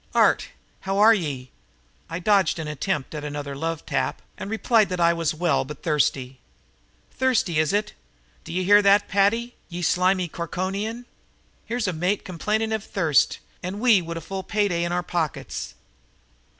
"Art, how are ye?" I dodged an attempt at another love tap and replied that I was well but thirsty. "Thirsty, is ut? D'ye hear that, Paddy, ye slimy Corkonian? Here's a mate complainin' av thirst and we wid a full pay day in our pockets."